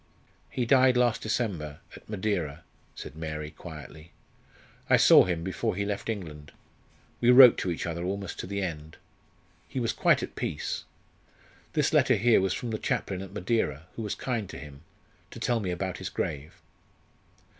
"He died last December, at Madeira," said Mary, quietly. "I saw him before he left England. We wrote to each other almost to the end. He was quite at peace. This letter here was from the chaplain at Madeira, who was kind to him, to tell me about his grave."